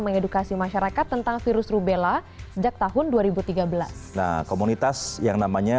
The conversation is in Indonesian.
mengedukasi masyarakat tentang virus rubella sejak tahun dua ribu tiga belas nah komunitas yang namanya